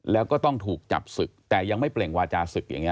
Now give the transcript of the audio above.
แล้วก็ต้องถูกจับศึกแต่ยังไม่เปล่งวาจาศึกอย่างนี้